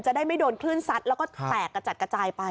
ได้ไม่โดนคลื่นซัดแล้วก็แตกกระจัดกระจายไป